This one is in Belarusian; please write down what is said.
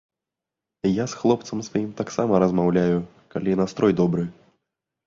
Я з хлопцам сваім таксама размаўляю, калі настрой добры.